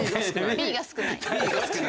Ｂが「少ない」。